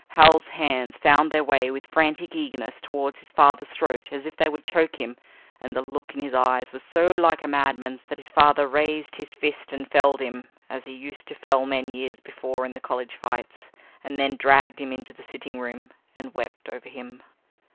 Hal's hands found their way with frantic eagerness toward his father's throat as if they would choke him, and the look in his eyes was so like a madman's that his father raised his fist and felled him as he used to fell men years before in the college fights, and then dragged him into the sitting room and wept over him.